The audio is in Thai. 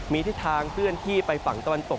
มีทิศทางเคลื่อนที่ไปฝั่งตะวันตก